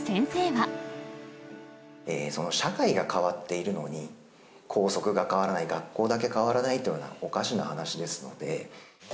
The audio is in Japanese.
社会が変わっているのに、校則が変わらない、学校だけ変わらないというのは、おかしな話ですので。